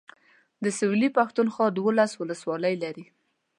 د سويلي پښتونخوا دولس اولسولۍ دي.